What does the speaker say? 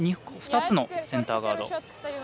２つのセンターガード。